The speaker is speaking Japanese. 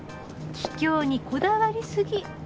桔梗にこだわりすぎ。